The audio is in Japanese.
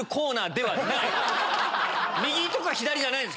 右とか左じゃないんです。